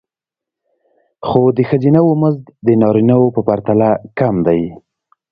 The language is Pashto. خو د ښځینه وو مزد د نارینه وو په پرتله کم دی